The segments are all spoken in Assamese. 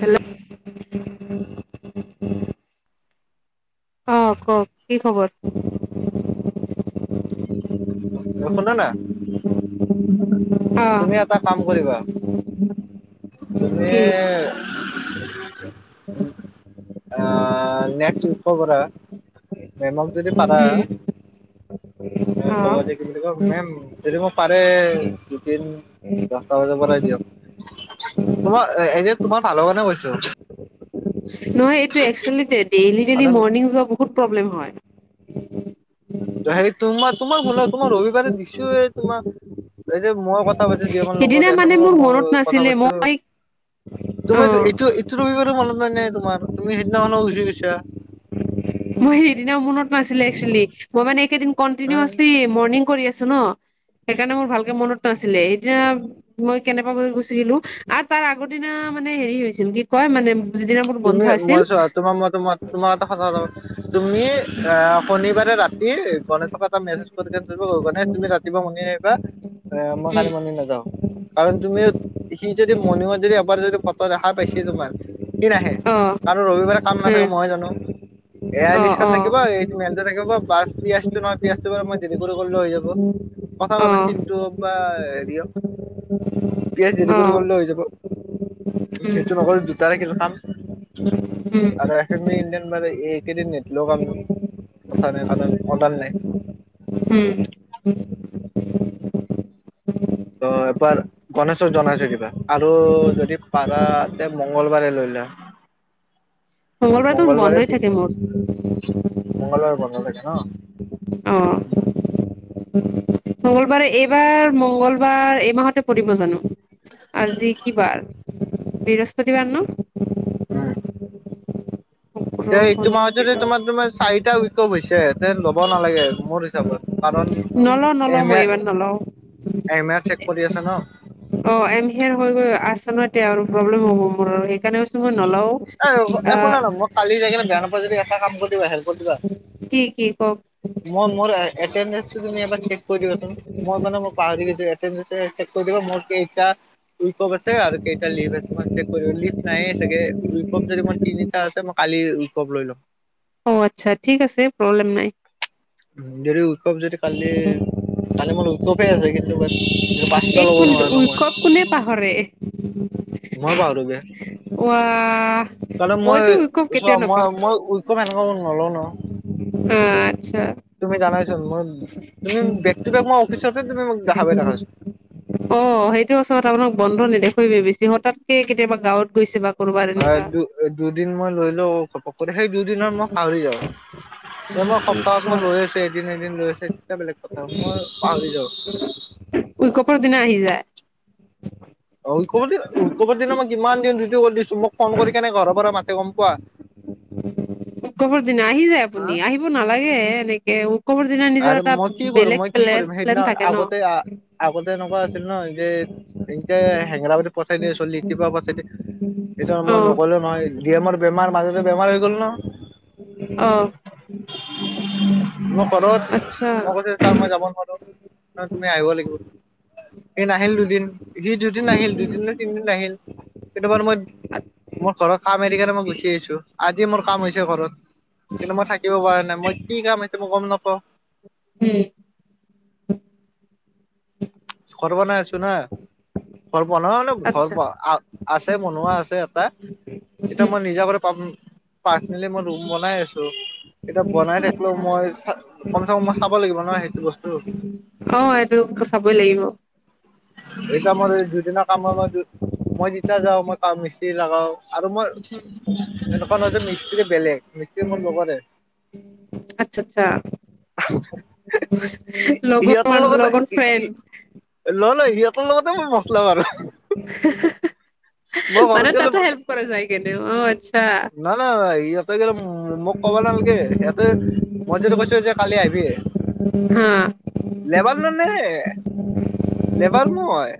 হেল্ল' অ', কওক, কি খবৰ? শুনিচনে নাই। অ তুমি এটা কাম কৰিবা, তুমি কি আহ', নেক্সট উইকৰ পৰা প্ৰেমক যদি পাৰা উম এ অ কবা যে কি বুলি কয় মেম যদি মোক পাৰে দুদিন দশটা বজাৰ পৰাই দিয়ক। তোমাৰ এনে তোমাৰ ভালৰ কাৰণে কৈছো। নহয় এইটো একচোৱেলি ডেইলি ডেইলি কাৰণ মৰ্নিং যোৱা বহুত প্ৰব্লেম হয়। হেৰি তোমাৰ তোমাক ভুল, তোমাক ৰবিবাৰে দিছো এ তোমাক এই যে মই কথ কথা পাতিৰ দিমৰ সিদিনা লগত মানে এচমেৰ মোৰ অলপ মনত মই কথা নাছিলে পাতিছো, মই অ তোমাৰ এইটো এই ৰবিবাৰো মনত নাই নে তোমাৰ? তুমি সেইদিনাখনো গুচি গৈছা। মই সেইদিনা মনত নাছিলে একচুৱেলি, মই মানে এইকেইদিন কন্তিনিও আচলি মৰ্ণিং কৰি আছো ন। সেইকাৰণে মোৰ ভালকে মনত নাছিলে, এতিয়া মই কেনেবাকৈ গুচিলো। আৰু তাৰ আগৰ দিনা মানে হেৰি হৈছিল কি কয় মানে যিদিনা মোৰ বন্ধ তুমি আছিল মই চোৱা তোমাৰ মই তোমাক তোমাৰ এটা সাধাৰণ তুমি আহ শনিবাৰে ৰাতি গণেশ এনেকুৱা এটা মেচেজ কৰি দিমটো মানে তুমি ৰাতিপোৱা মৰ্ণিং আহিবা, মই উম কাইলে মৰ্নিং নাযাওঁ। কাৰণ তুমি সি যদি মৰণিংত যদি এবাৰ যদি ফটো দেখা পাইছে তোমাৰ সি নাহে অ তাৰো ৰবিবাৰে কাম হ নাথাকে মইহে জানো, এ আই অ অ লিষ্টখন থাকিব এই মেলটো থাকিব বা পিয়াচিটো নহয় পিয়াচিটো বাৰু মই দেৰি কৰি কৰিলো হৈ যাব কথা কাৰণে অ চিনটো বা হেৰি পি আ দেৰি অ কৰি কৰলো হৈ যাব। উম সেইটো নকৰিলে দুটাৰে কিবা কাম। উম আৰু এফ এমমি ইণ্ডিয়ান মানে এইকেইদিন নিদলো কাম হব কথা নাই কাৰনে অৰ্ডাৰ নাই। হম। অ এপাৰ গনেশক জনাই থৈ দিবা, আৰু যদি পাৰা তে মংগলবাৰে লৈ লোৱা। মঙ্গলবাৰেতো বন্ধই থাকে মোৰ। মঙ্গলবাৰে বন্ধ থাকে ন? অহ মঙ্গলবাৰে এইবাৰ মঙ্গলবাৰ এইমাহতে পৰিব জানো? আজি কি বা, বৃহস্পতিবাৰ ন? উম। শুক্ৰ দে এইটো শনি মাহত যদি ৰবি। তোমাৰ তোমাৰ চাৰিটা উইকপ হৈছে তেন ল'ব নালাগে মোৰ হিচাপত কাৰণ নলও নলও এন মই ইয়া, এইবাৰ নলও এম এ চেক কৰি আছা ন অ এম হিয়েৰ হৈ গৈ আছা ন এতিয়া আৰু প্ৰব্লেম হ'ব মোৰ সেইকাৰণে কৈছ মই নলও এ আ শুনা ন মই কালি যাই কিনে বেয়া নোপোৱা যদি এটা কাম কৰি দিবা হেলপ কি কি কওক মই মোৰ অতেন্দেচ খিনি এবাৰ চেক্ কৰি দিবাচোন মই মানে মই পাহৰি গৈছো অতেন্দেচ চেক্ কৰি দিবা মোৰ কেইটা উইকপ আছে আৰু কেইটা লিভ আছে তোমাৰ চেক কৰি লিভ নাইয়ে তাকে উইকপ যদি মই তিনিটা আছে মই কালি উইকপ লৈ লম অ' আচ্ছা ঠিক আছে প্ৰব্লেম নাই। যদি উৎসৱ যদি কালি কালি ম‌ই তো ঠিক আছে কিন্তু বাট এক পাচঁটা ল'ব মিনিট নোৱাৰা ন' মই। উইকপ কোনে পাহৰে। মই পাহৰো বে। ৱাহ কাৰণে মইতো মই উইকপ চোৱা কেতিয়াও নাপাহৰো মই মই উইকম এনেকুৱা মানুহক ন'লও নহয়। অ' আচ্ছা। তুমি জানাইচোন মই তুমি বেগ টু বেগ মই অফিচতে তুমি মোক দেখা পাই থাকা চোন। অ' সেইটো সঁচা কথা বন্ধ নেদেখুৱে বেছি হঠাৎকে কেতিয়াবা গাঁৱত গৈছে বা। কৰবাত অ' এনেকা দু দুদিন মই লৈ ল‌ওঁ ঘপক কৰি সেই দুদিনত মই পাহৰি যাওঁ। এ মই সপ্তাহত আচ্ছা মই লৈ আছো এদিন এদিন লৈ আছো তেতিয়া বেলেগ কথা মই পাহৰি যাওঁ। উইকপৰ দিনা আহি যায়। অ' উইকপৰ উইকপ দিনা মই কিমান দিন কৰি দিছো মোক ফোন কৰি কেনে ঘৰৰ পৰা মাতে গম পোৱা। উইকবৰ দিনা আহি যায় হা আপুনি আহিব নালাগে এনেকে উইকপৰ দিনা নিজৰ আৰু এটা মই কি কৰিম বেলেগ মই কি প্লেন কৰিম প্লেন সেইদিনা থাকে ন আগতে আগতে এনেকুৱা আছিল ন' যে। এনকে হেঙেৰাবাৰি পঠাই দিয়ে চলি তিপা সেইটো মই অ নগলেও নহয়। দি এমৰ বেমাৰ মাজতে বেমাৰ হৈ গ'ল নহয়। অ'। আচ্ছা চাৰ মই যাব নোৱাৰোঁ। তুমি আহিব লাগিব। সি নাহিল দুদিন। সি দুদিন নাহিল দুদিন না তিনিদিন আহিল কেতিয়াবাৰ মই মোৰ ঘৰৰ কাম এৰি কেনে মই গুচি আহিছোঁ। আজি মোৰ কাম হৈছে ঘৰত কিন্তু মই থাকিব পৰা নাই। মই কি কাম হৈছে মই গম নাপাওঁ। উম। ঘৰ বনাই আছো না। ঘৰ বনোৱানে ঘৰ আচ্ছা আছে বনোৱা আছে এটা। এতিয়া উম মই নিজা কৰি পাৰ্চনেলি মই ৰুম বনাই আছোঁ এতিয়া বনাই থাকিলোও আচ্ছা মই কমচে কম মই চাব লাগিব ন' সেইটো বস্তু। অ' এইটো চাবই লাগিব। এতিয়া মোৰ দুদিনৰ কামৰ মই মই যেতিয়া যাওঁ মই কাম মিস্ত্ৰীৰী লগাওঁ। আৰু মই এনেকুৱা নহয় যে মিস্ত্ৰীৰ বেলেগ। মিস্ত্ৰী মোৰ লগৰে। আচ্ছা আচ্ছা সিহঁতৰ লগৰ লগত লগৰ ফ্ৰেন। নহয় নহয় সিহঁতৰ লগতে মই মতলব মাৰু। ঘৰত মানে গ'লে তাতো হেল্প কৰা যায়। কেতিয়াবা অ' আচ্ছা। নহয় নহয় সিহঁতে কি মোক কব নালাগে সিহঁতে। মই যদি কৈছো এতিয়া যে কালি আহিবি হা। লেবাৰ মানে লেবাৰ মই।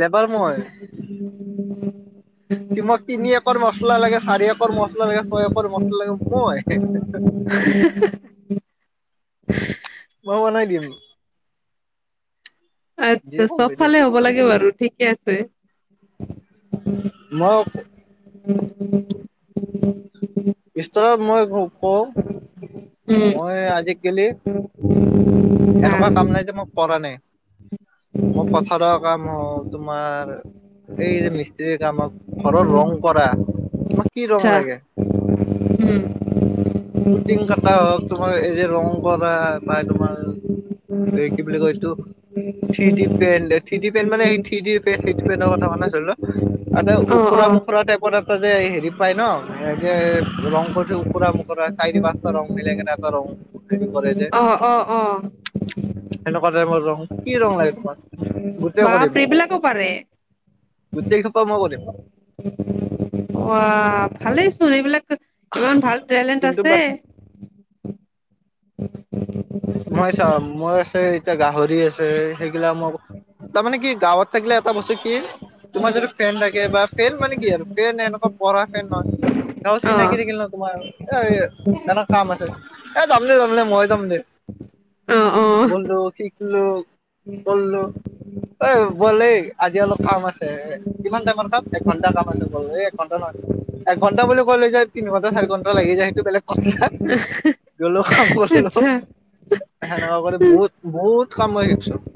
লেবাৰ মই। [inaudible] টিমক তিনি একৰ মছলা লাগে, চাৰি একৰ মছলা লাগে, ছয় একৰ মছলা লাগে, মই। [unintelligible] মই বনাই দিম। আচ্ছা যিয়ে কম এতিয়া চবফালে হ'ব লাগে বাৰু ঠিকে আছে। [inaudible] মই [unintelligible] বিচনাত মই শুব উম, মই আজিকালি হা এনেকোৱা কাম নাই যে মই কৰা নাই মোৰ পথাৰৰ কাম হওক তোমাৰ এই যে মিস্ত্ৰীৰ কামত ঘৰৰ ৰং কৰা, তোমাক কি ৰং আচ্ছা লাগে? উম পুটিং কটা হওক তোমাৰ এই যে ৰং কৰা বা তোমাৰ তই কি বুলি কয় এইটো three D paint three D paint মানে এই থি ডি পেণ্ট সেইটো পেনৰ কথা কোৱা নাই ধৰি লোৱা। আৰু অ অ ওখোৰা মোখুৰা টাইপৰে যে হেৰি পাই ন এই যে ৰং কৰিও ওখুৰা মোখোৰা চাৰি পাঁচটা ৰং মিলাই কেনে এটা ৰং হেৰি কৰে যে। অ অ অ সেনেকোৱা টাইপৰ ৰং, কি ৰং লাগে তোমাক? গোটেই বাপ কৰিম ৰে এইবিলাকো পাৰে গোটেই সোপা মই কৰিম ৱা ভালেই চোন এইবিলাক টে ইমান ভাল টেলেণ্ট কিন্তু আছে। বাট মই চাও মই আছে এতিয়া গাহৰি আছে সেইগিলা মোক তাৰমানে কি গাঁৱত থাকিলে এটা বস্তু কি তোমাৰ উম, যিটো ফেন থাকে বা ফেন মানে কি আৰু ফেন এনেকোৱা পঢ়া ফেন নহয় গাওঁত অ চিনাকি থাকিল ন তোমাৰ এৰ এটা কাম আছে এ যাম দে যাম দে মই যাম দে। অ অ বন্ধু টিকলু বল্লু ঐ বল এই আজি অলপ কাম আছে্ কিমান টাইমৰ কাম এঘণ্টা কাম আছে ব'ল এ একঘণ্টাও নহয়। এঘণ্টা বুলি কলে যে তিনি ঘণ্টা চাৰি ঘণ্টা লাগি যায় সেইটো বেলেগ কথা গ'লো আ বল আচ্ছা সেনেকোৱা কৰি বহুত বহুত কাম মই শিকিছো।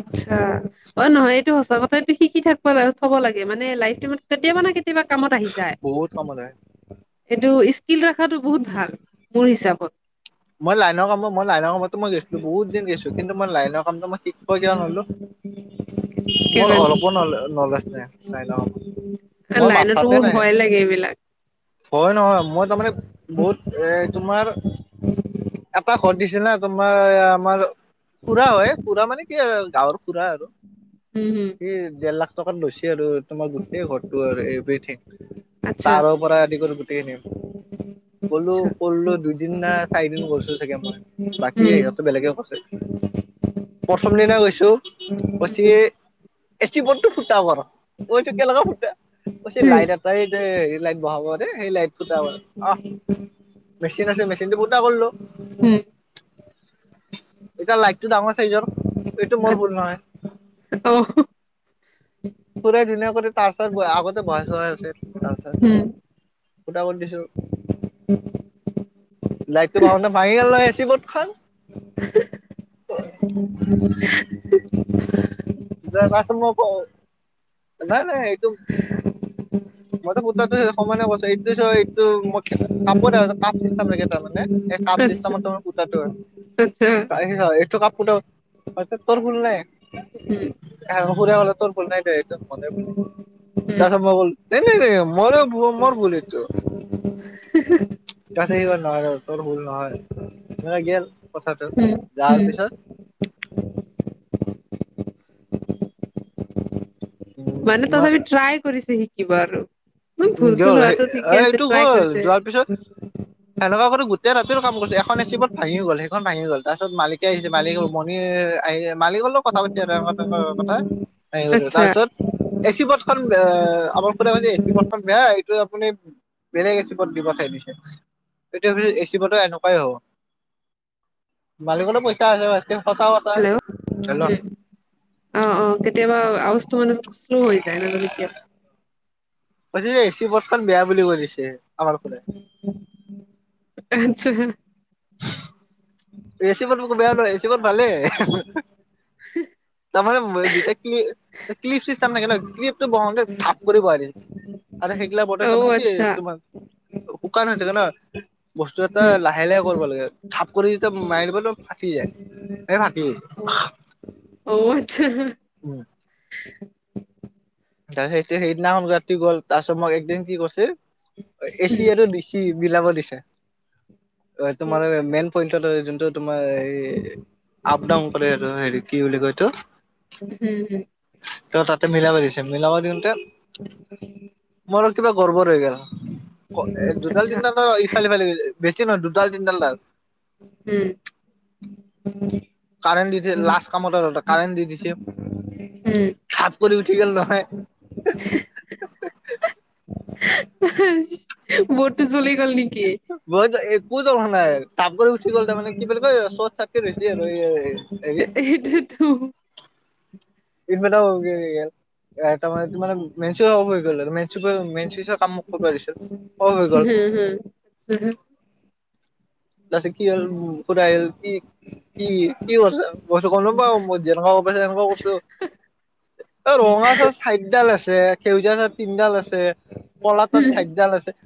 আচ্ছা অ নহয় এইটো সঁচা কথা এইটো শিকি থাকব থ'ব লাগে মানে লাইফ টাইমত কেতিয়াবা ন কে তিয়াবা কামত আহি যায়। বহুত কামত আহে এইটো স্কিল ৰখাতো বহুত ভাল মোৰ হিচাপত। মই লাইনৰ কামত মই লাইনৰ কামটো মই গৈছিলো বহুত দিন গৈছো কিন্তু মই লাইনৰ কামটো মই শি মই কিয় নললো কি মোৰ কয়, অলপো ন নলেজ নাই নাই ন। এ লাইনতো মোৰ ভয় লাগে এইবিলাক। হয় নহয় মই তাৰমানে বহুত এ তোমাৰ এটা ঘৰত দিছে না তোমাৰ আমাৰ খুৰা হয় খুৰা মানে কি আৰু গাঁৱৰ খুৰা আৰু উম হুম সেই ডেৰ লাখ টকাত লৈছে আৰু তোমাৰ গোটেই ঘৰটো আৰু এভ্ৰথিং আচ্ছা তাৰৰ পৰা আদি কৰি গুটেই খিনি। গ'লো আচ্ছা কৰলো দুইদিন না চাৰিদিন গৈছো চাগে মই। বাকী সিহঁতো বেলেগে কৈছে প্ৰথম দিনা গৈছো কৈছে এ চি বৰ্ডটো ফুটা মানে কৈছো কেনেকা ফুটা কৈছে লাইট আচ্ছা এটাই যে হেৰি লাইট বহাব দে সেই লাইট ফুটাব অহ মেচিন আছে মেচিনটো ফুটা কৰিলো। এতিয়া লাইটটো ডাঙৰ চাইজৰ এইটো মোৰ ভুল নহয়। অ পুৰা ধুনীয়া কৰি তাৰপিছত আ আগতে বহাই থোৱা আছিল তাৰছত উম উম উম ফুটা কৰি দিছো। লাইটটো ভাঙোতে ভাঙি গল নহয় এ চি বড খন উ হে নাই নাই এইটো মইতো পুতেকটো হে সমানে কৈছো এইটো চ এইটো মোক কে কাপোৰ এটা কাপ চিষ্টেম লাগে তাৰ মানে এই কাপ চিষ্টেমত তোৰ কুটাটো হয়। আচ্ছা। [unintelligible] এইটো কাপোৰটো [unintelligible] তোৰ ভুল নাই। আৰু সুৰা কলে তোৰ ভুল নাই দে একদম মদ বুলি তাৰছ মই ক নাই নাই নাই মোৰে ভু মোৰ ভূল এইতো। তাৰ পাছত সি কলে নহয় ৰ তৰ ভূল নহয় অ গেল কথাটো উম যাৱাৰ পিছত উম মানে তোমাৰ তথাপি ট্ৰায় কৰিছে শিকিব আৰু। উম ভুল চুল গ'ল এ হোৱাটো ঠিকে আছে এইটো ট্ৰাই গ'ল কৰিছে যোৱাৰ পিছত সেনেকুৱা কৰি গোটেই ৰাটিৰ কাম কৰিচু এখন এ চিপত ভাঙি গল সেইখন ভাঙি গল তাৰ পিছত মালিকে আহিছে মালিকৰ মন এ আহি মালিকৰ লগত কথা পাতি আৰু এ [unintelligible] তাৰ আচ্ছা পিছত এচি পথখন এ আমাৰ পৰা মানে এ চি পথ বেয়া এইটো আপুনি বেলেগ এচিপত দি পঠাই দিছে। তেতিয়া কৈচে এচি বতৰ এনেকুৱাই হব মালিকতো পইচা আছে মা তেওঁ সঁচা হেল্ল' উম। হেল্ল' অ অ কেতিয়াবা আৱাজটো মানে শ্ল' হৈ যায় নাজানো কিয়? কৈছে যে এচি বথখন বেয়া বুলি কয় দিছে আমাৰ পৰাই। আচ্ছা। এ চিপতবোৰ বেয়া নহয় এ চিপত ভালেই। তাৰমানে [unintelligible] ক্লি ক্লিপ চিষ্টেম এনেকে লয় ক্লিপটো বহাওঁতে ধাপ কৰি বহাই দিল আৰু সেইগিলা বৰ্ত অ তাৰ মানে কি আচ্ছা তোমাৰ শুকান হৈ থাকে ন বস্তু এটা উম লাহে লাহে কৰব লাগে থাপ কৰি যেতিয়া মাৰ দিব ন ফাটি যায় এ ফাটি অ আচ্ছা। উম। ত সেইটো সেইদিনাখন গাত টি গল তাৰপিছত মোক একদিন কি কৰছে, এচি হম আৰু দিচি বিলাব দিছে। অ তোমাৰ মেইন পইন্টটোতো যোনটো তোমাৰ হেৰি আপ ডাউন কৰে আৰু হেৰি কি বুলি কয়তো? হুম হুম। ত তাতে মিলাব দিছ তে মিলাবো দিওঁতে মোৰো কিবা গৰবৰ হৈ গেল। অ দুডাল আচ্ছা তিনিডাল আৰু ইফালে সিফাল হৈ গৈছে বেছি নহয় দুডাল তিনিডাল ডাল। উম। কাৰেণ্ট দিছে লাষ্ট কামত আৰু কাৰেণ্ট দি দিছে। উম ধাপ কৰি উঠি গল নহয়। [unintelligible] [unintelligible] বৰ্ডটো জ্বলি গ'ল নেকি? বৰ্ড একো জ্বলা নাই তাপ কৰি উঠি গ'ল তাৰমানে কি বুলি কয় চট চাটকে হৈছে আৰু এই সেইটোৱেতো। এইফালেও হৈ গেল এটাৰ মানে তোমাৰ মে চ অফ হৈ গ'ল আৰু মে চুইপৰ মেন চুইচৰ কাম মোক কৰিবা দিছিল। অফ হৈ গ'ল হুম হুম, [unintelligible] তাৰপিছত কি হ'ল খুদাই আহিল কি কি কি বস্তু, মই কৈছোঁ গম নাপাওঁ মই যেনেকুৱা কৰব পাৰে তেনেকুৱা কৰিছো, এ ৰঙা চচ চাইতডাল আছে, সেউজীয়া তাত তিনিডাল আছে, কলা তাত চাইতডাল আছে।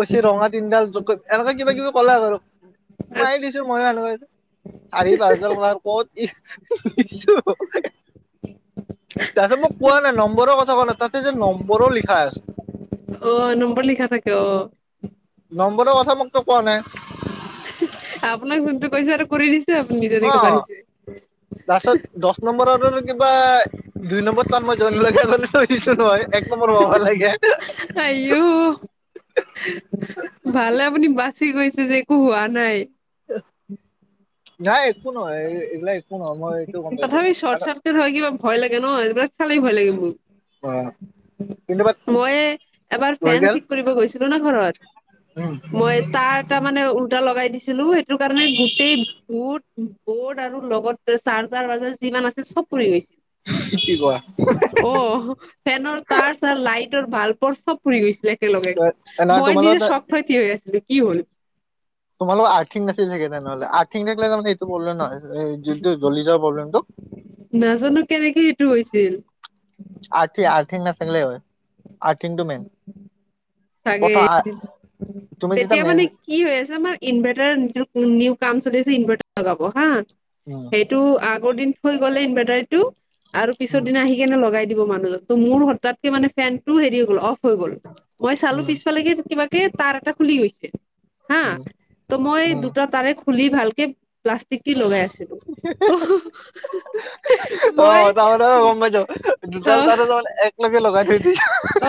কৈচি ৰঙা তিনিডাল যোগকৰ এনেকুৱা কিবা-কিবি কলে বাৰু, আচ্ছা সোমাই আচ্ছা হে দিছো মই ভাল পাইছো চাৰি পাঁচদাল ৱাৰ ক'ত তাতে মোক কোৱা নাই নম্বৰৰ কথা কোৱা নাই, তাতে যে নম্বৰো লিখা আছে। অ', নম্বৰ লিখা থাকে অ'। নম্বৰৰ কথা মোকতো কোৱা নাই। আপোনাক যোনটো কৈছে আৰু কৰি দিছে আপুনি অ যেনেকে পাৰিছে। লাষ্টত পিছত দহ নম্বৰৰো কিবা দুই নম্বৰ তাত মই জইন লগাই থৈ দিছো নহয় এক নম্বৰ হবা লাগে। আই অ',। উ ভালে আপুনি বাচি গৈছে যে একো হোৱা নাই। নাই একো নহয় এইগিলাক এক তথাপি শৰ্টচাৰ্কিট হয় কিবা ভয় লাগে ন' এইবিলাক চালেই ভয় লাগে মোৰ। অ কিন্তু বাট মই এবাৰ হৈ ফেন গ'ল ঠিক কৰিব গৈছিলো না ঘৰত। উম মই তাত এটা মানে উল্টা লগাই দিছিলো, সেইটো কাৰণে গোটেই বোৰ্ড- বৰ্ড আৰু লগত চাৰ্জাৰ-টাৰ্জাৰ যিমান আছিল চব পুৰি গৈছিল। কি কোৱা অ',। ফেনৰ তাৰ-চাৰ, লাইটৰ, বাল্বৰ চব পুৰি গৈছিল, একেলগে নাই মই তোমালোকৰ নিজে চক খাই থিয় হৈ আছিলো কি হ'ল। তোমালোকৰ আৰ্থিং নাছিল চাগে, তেনেহলে আৰ্থিং থাকিলে তাৰমানে এইটো প্ৰব্লেম নহয়, যোনটো জ্বলি যোৱাৰ প্ৰবলেমটো। নাজানো কেনেকে এইটো হৈছিল। আৰ্থি- আৰ্থিং নাথাকিলে হয়, আৰ্থিংটো মেইন। চাগে প্ৰথম তুমি যেতিয়া তেতিয়া মেইন মানে কি হৈ আছে আমাৰ ইনভাৰ্টাৰ নিউ কাম চলি আছে ইনভাৰ্টাৰ লগাব হা। উম',। তো আগৰ দিন থৈ গ'ল ইনভাৰ্টাৰ টো কৰিব আৰু পিছৰ উম দিনা আহি কেনে লগাই দিব মানুহজন ত' মোৰ হঠাটকে মানে ফেনটো হেৰি হৈ গ'ল অফ হৈ গ'ল। মই চালো উম পিছফালেকে কিবাকে তাঁৰ এটা খুলি গৈছে। হা উম তো মই উম দুটা তাৰে খুলি ভালকে প্লাষ্টিক দি লগাই আছিলো ত' মই অ', তাৰমানে মই গম পাইছো, অ দুডাল তাৰ তাৰমানে একলগে লগাই থৈ দিছে। অ